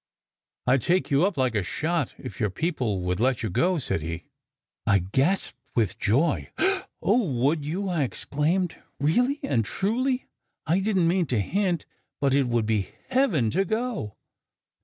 " I d take you up like a shot, if your people would let you go," said he. I gasped with joy. "Oh, would you?" I exclaimed. "Really and truly, I didn t mean to hint! But it would be heaven to go!"